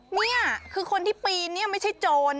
นี่คือคนที่ปีนไม่ใช่โจรนะ